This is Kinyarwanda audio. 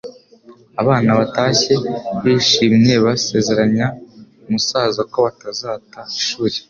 Abana batashye bishimye basezeranya umusaza ko batazata ishuri